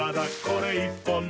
これ１本で」